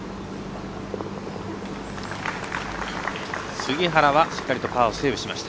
杉原はしっかりとパーをセーブしました。